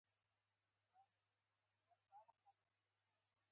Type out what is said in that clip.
هغه د امید په سمندر کې د امید څراغ ولید.